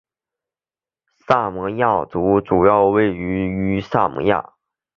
萨摩亚族主要居住于萨摩亚。